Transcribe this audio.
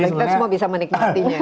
kita semua bisa menikmatinya